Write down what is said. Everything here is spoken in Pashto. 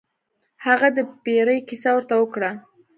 هغه د پیري کیسه ورته وکړه.